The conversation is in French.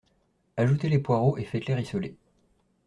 Ajoutez les poireaux et faites-les rissoler